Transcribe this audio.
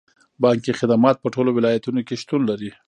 بانکي خدمات په ټولو ولایتونو کې شتون لري.